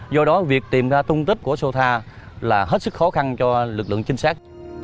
do đó việc tìm ra tung tích của sotha là hết sức khó khăn cho lực lượng trinh sát